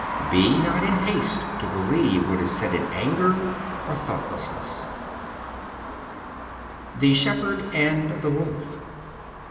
Be not in haste to believe what is said in anger or thoughtlessness. The Shepherd[B] and the Wolf.